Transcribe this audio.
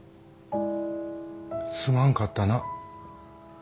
すまんかったな。